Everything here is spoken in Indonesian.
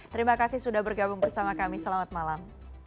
terima kasih sudah bergabung bersama kami selamat malam